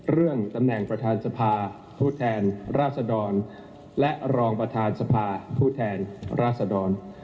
ตำแหน่งประธานสภาผู้แทนราษดรและรองประธานสภาผู้แทนราษดร